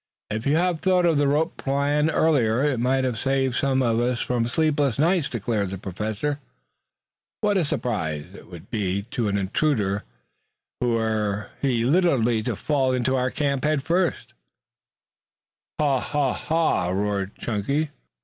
"If you had thought of the rope plan earlier, it might have saved some of us from sleepless nights," declared the Professor. "What a surprise it would be to an intruder were he literally to fall into our camp headfirst." "Haw, haw, haw!" roared Chunky.